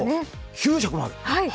９色もある？